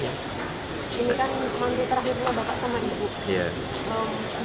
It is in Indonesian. ini kan mandi terakhirnya bapak sama ibu